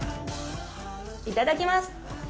いただきます！